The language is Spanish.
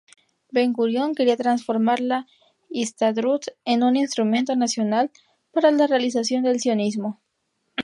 Ben-Gurion, quería transformar la Histadrut en un instrumento nacional para la realización del sionismo.